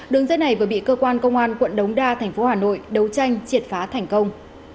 đường dây này vừa bị cơ quan công an quận đống đa thành phố hà nội đấu tranh triệt phá thành công